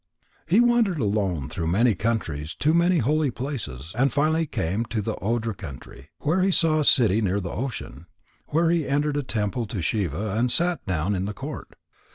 He wandered alone through many countries to many holy places, and finally came to the Odra country. There he saw a city near the ocean, where he entered a temple to Shiva and sat down in the court.